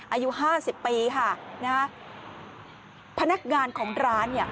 อายุห้าสิบปีค่ะนะฮะพนักงานของร้านเนี่ย